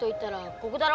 ここだろ？